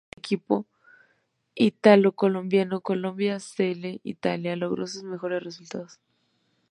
Compitiendo por el equipo ítalo-colombiano Colombia-Selle Italia logró sus mejores resultados.